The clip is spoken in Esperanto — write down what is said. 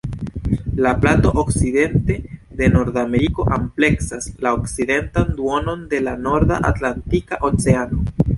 La plato okcidente de Nordameriko ampleksas la okcidentan duonon de la norda Atlantika Oceano.